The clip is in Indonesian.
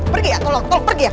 pergi ya tolong tolong pergi ya